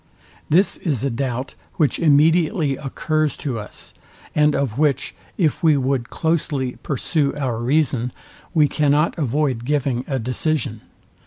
This is a doubt, which immediately occurs to us, and of which, if we would closely pursue our reason, we cannot avoid giving a decision.